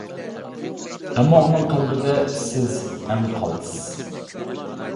ئەمما ئۇنىڭ قەلبىدە سىز ئەڭ قالتىس.